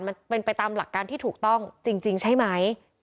มันเป็นไปตามหลักการที่ถูกต้องจริงใช่ไหม